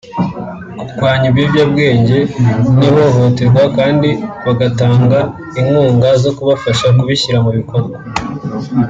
kurwanya ibiyobyabwenge n’ihohotera kandi bagatanga n’inkunga zo kubafasha kubishyira mu bikorwa